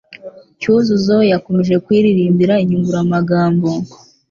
Cyuzuzo yakomeje kwiririmbira inyunguramagambo